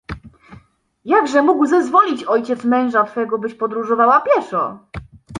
Jakże mógł zezwolić ojciec męża twego, byś podróżowała pieszo?